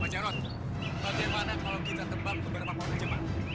pak jarod bagaimana kalau kita tembak beberapa pohon yang jembat